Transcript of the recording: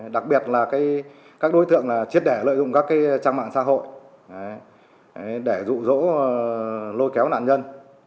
đặc biệt là các đối tượng chiết đẻ lợi dụng các trang mạng xã hội để rụ rỗ lôi kéo nạn nhân